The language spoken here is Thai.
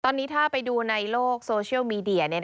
ตอนนี้ถ้าไปดูในโลกโซเชียลมีเดีย